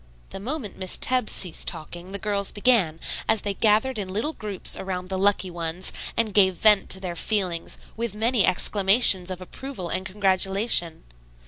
The moment Miss Tebbs ceased talking the girls began, as they gathered in little groups around the lucky ones and gave vent to their feelings with many exclamations of approval and congratulation.